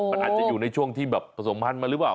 มันอาจจะอยู่ในช่วงที่แบบผสมพันธ์มาหรือเปล่า